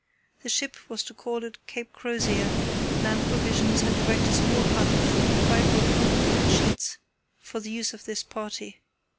The ship was to call at Cape Crozier, land provisions, and erect a small hut of fibro concrete sheets for the use of this party.